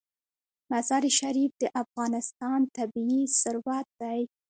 مزارشریف د افغانستان طبعي ثروت دی.